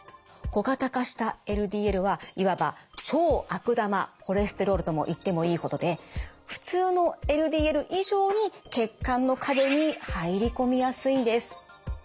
小型化したＬＤＬはいわば超悪玉コレステロールとも言ってもいいほどで普通のＬＤＬ以上に血管の壁に入り込みやすいんです。